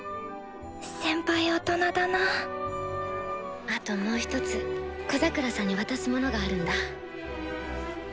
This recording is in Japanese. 先輩大人だなぁあともう一つ小桜さんに渡すものがあるんだ。